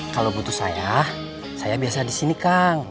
kalau butuh saya saya biasa di sini kang